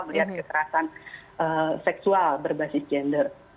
melihat kekerasan seksual berbasis gender